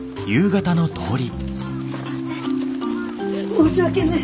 申し訳ねえ。